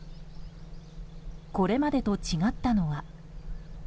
これまでと違ったのは。